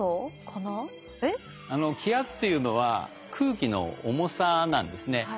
気圧というのは空気の重さなんですね。